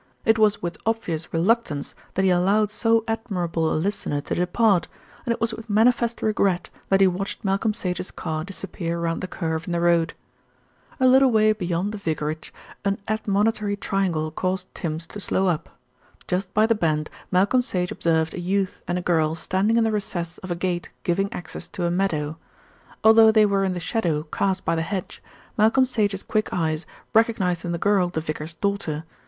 It was with obvious reluctance that he allowed so admirable a listener to depart, and it was with manifest regret that he watched Malcolm Sage's car disappear round the curve in the road. A little way beyond the vicarage, an admonitory triangle caused Tims to slow up. Just by the bend Malcolm Sage observed a youth and a girl standing in the recess of a gate giving access to a meadow. Although they were in the shadow cast by the hedge, Malcolm Sage's quick eyes recognised in the girl the vicar's daughter.